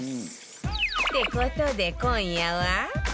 って事で今夜は